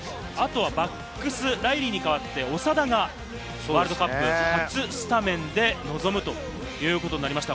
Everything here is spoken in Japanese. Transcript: バックスはライリーに代わって長田がワールドカップ初スタメンで臨むということになりました。